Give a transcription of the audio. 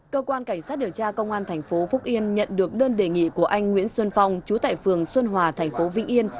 cơ quan cảnh sát điều tra công an tp phúc yên nhận được đơn đề nghị của anh nguyễn xuân phong trú tại phường xuân hòa tp vĩnh yên